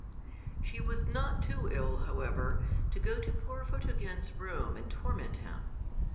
She was not too ill, however, to go to poor Photogen's room and torment him.